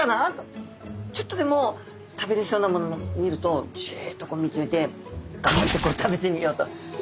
ちょっとでも食べれそうなものを見るとジッと見つめてガブッと食べてみようと。